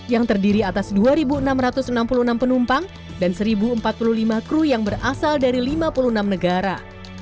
yang terdiri atas dua enam ratus enam puluh enam penumpang dan satu empat puluh lima kru yang berasal dari lima puluh enam negara